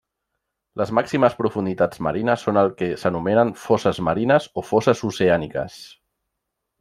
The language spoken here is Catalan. Les màximes profunditats marines són el que s'anomenen fosses marines o fosses oceàniques.